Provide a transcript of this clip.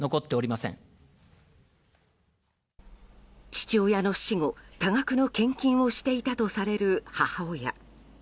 父親の死後、多額の献金をしていたとされる母親。